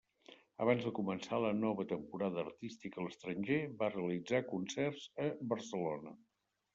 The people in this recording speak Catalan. Abans de començar la nova temporada artística a l'estranger, va realitzar concerts a Barcelona.